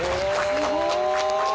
すごい。え？